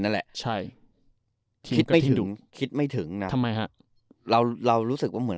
นั่นแหละใช่คิดไม่ถึงคิดไม่ถึงนะทำไมฮะเราเรารู้สึกว่าเหมือน